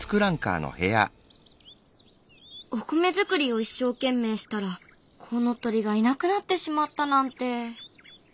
お米作りを一生懸命したらコウノトリがいなくなってしまったなんて。